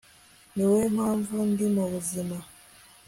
ni wowe mpanvu ndi muzima